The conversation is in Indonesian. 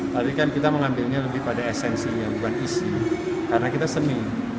tapi kan kita mengambilnya lebih pada esensinya bukan isi karena kita seni